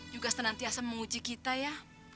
juga senantiasa menguji kita ya